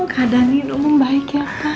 keadaan ini umum baik ya pak